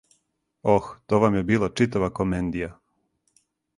Ох, то вам је била читава комендија